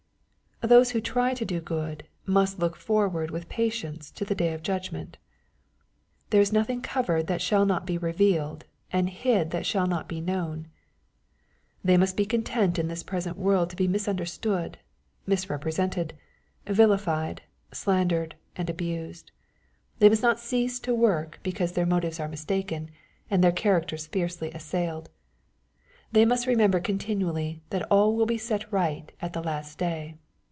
Those who try to do good must look forward with patience to the day of Judgment, "There is nothing covered that shall not be revealed, and hid that shall not be known." They must be content in this present world to be misunderstood, misrepresented, vilified, slandered, and abused. They must not cease to work because their MATTHEW, CHAP. X. 103 motives are mistaken, and their characters fiercely assailed . They must remember continually that all will be set right at the last day.